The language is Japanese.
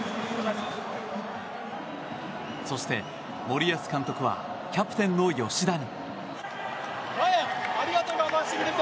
そして森保監督はキャプテンの吉田に。